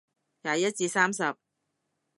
廿一至三十